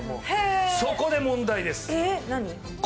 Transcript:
そこで問題です。